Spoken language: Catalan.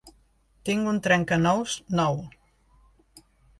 Tinc un trencanous nou